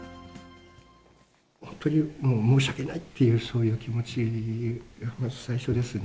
本当に申し訳ないっていう、そういう気持ちが最初ですね。